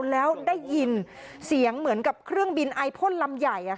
แล้วได้ยินเสียงเหมือนกับเครื่องบินไอพ่นลำใหญ่